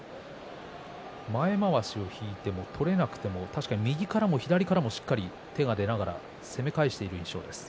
前まわしを引いても取れなくても確かに右からも左からもしっかりと手が出ながら攻め返している印象です。